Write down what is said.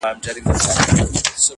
• قاسم یاره چي سپېڅلی مي وجدان سي,